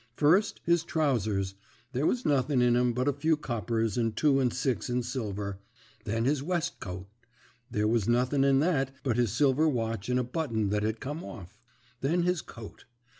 First, his trousers. There was nothing in 'em but a few coppers and two and six in silver. Then his westcoat. There was nothing in that but his silver watch and a button that had come off. Then his coat.